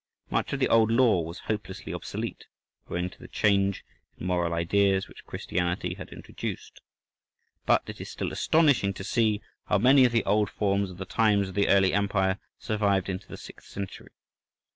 Much of the old law was hopelessly obsolete, owing to the change in moral ideas which Christianity had introduced, but it is still astonishing to see how much of the old forms of the times of the early empire survived into the sixth century.